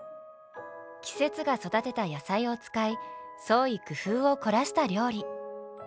季節が育てた野菜を使い創意工夫を凝らした料理。